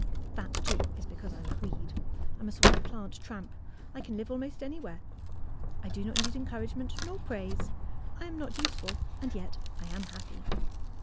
^' That, too, is because I'm a weed. I'm a sort of plant tramp. I can live almost any where. I do not need encouragement nor praise. I am not useful, and yet I am happy."